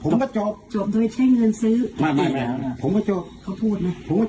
มันยังแม่มันคนละอย่าง